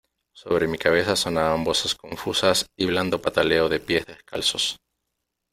sobre mi cabeza sonaban voces confusas y blando pataleo de pies descalzos ,